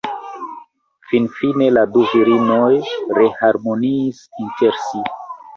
Finfine la du virinoj reharmoniis inter si.